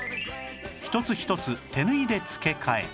一つ一つ手縫いで付け替えへえ！